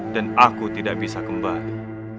dan aku tidak bisa kembali